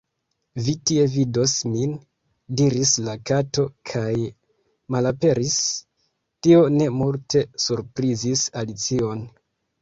"Vi tie vidos min," diris la Kato kaj—malaperis! Tio ne multe surprizis Alicion.